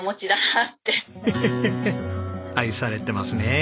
ハハハ愛されてますね。